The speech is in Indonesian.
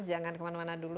jangan kemana mana dulu